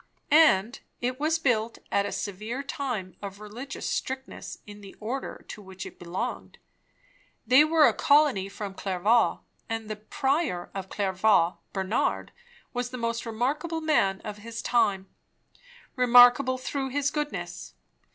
"And it was built at a severe time of religious strictness in the order to which it belonged. They were a colony from Clairvaux; and the prior of Clairvaux, Bernard, was the most remarkable man of his time; remarkable through his goodness.